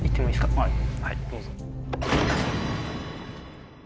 はいどうぞ。